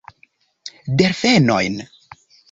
Delfenojn!